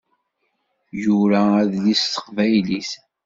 Yura adlis s teqbaylit.